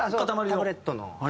タブレットの。